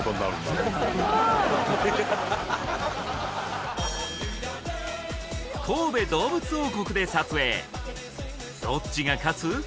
すごい神戸どうぶつ王国で撮影どっちが勝つ！？